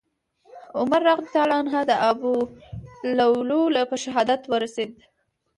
عمر رضي الله عنه د ابولؤلؤ له په شهادت ورسېد.